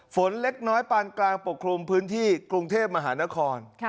ฝนเล็กน้อยปานกลางปกคลุมพื้นที่กรุงเทพมหานคร